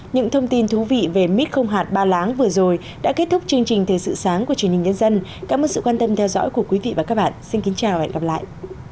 những thông tin thú vị về mít không hạt ba láng vừa rồi đã kết thúc chương trình thời sự sáng của truyền hình nhân dân cảm ơn sự quan tâm theo dõi của quý vị và các bạn xin kính chào và hẹn gặp lại